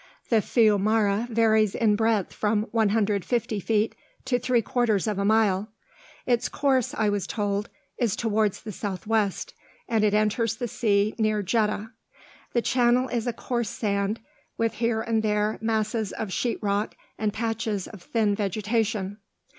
The fiumara varies in breadth from 150 feet to three quarters of a mile; its course, I was told, is towards the southwest, and it enters the sea near Jeddah. The channel is a coarse sand, with here and there masses of sheet rock and patches of thin vegetation.